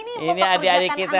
ini aku mau perkenalkan anak muda